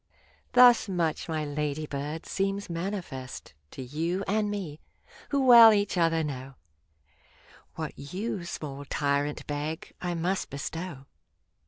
Thus much, my lady bird, seems manifest To you and me, who well each other know ; What you, small tyrant, beg, I must bestow.